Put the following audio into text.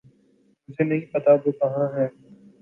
مجھے نہیں پتا وہ کہاں ہے